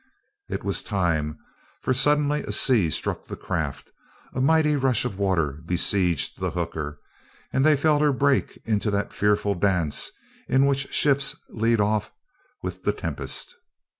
It was time, for suddenly a sea struck the craft, a mighty rush of waters besieged the hooker, and they felt her break into that fearful dance in which ships lead off with the tempest.